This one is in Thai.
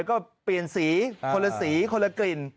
ก็เปลี่ยนสีคนละสีคนละกลิ่น